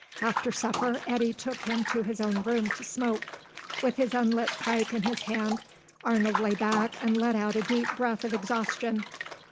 After supper, Eddy took him to his own room to smoke. With his unlit pipe in his hand, Arnold lay back and let out a deep breath of exhaustion.